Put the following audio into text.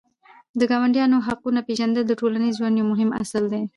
د ګاونډیانو حقونه پېژندل د ټولنیز ژوند یو مهم اصل دی.